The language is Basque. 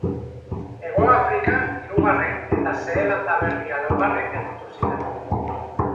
Hegoafrika hirugarren eta Zeelanda Berria laugarren gelditu ziren.